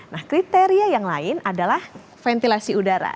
nah kriteria yang lain adalah ventilasi udara